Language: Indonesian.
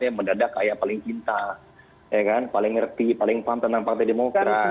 yang mendadak kayak paling cinta paling ngerti paling paham tentang partai demokrat